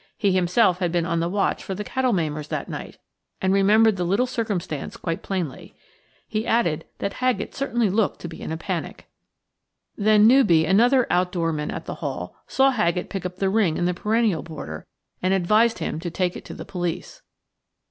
He himself had been on the watch for the cattle maimers that night, and remembered the little circumstance quite plainly. He added that Haggett certainly looked to be in a panic. Then Newby, another outdoor man at the Hall, saw Haggett pick up the ring in the perennial border and advised him to take it to the police.